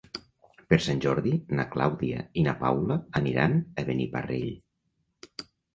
Per Sant Jordi na Clàudia i na Paula aniran a Beniparrell.